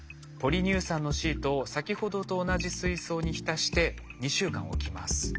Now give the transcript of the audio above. ポリ乳酸のシートを先ほどと同じ水槽に浸して２週間置きます。